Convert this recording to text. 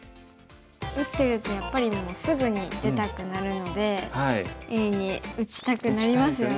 打ってるとやっぱりもうすぐに出たくなるのでＡに打ちたくなりますよね。